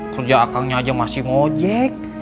kerja akangnya aja masih ngojek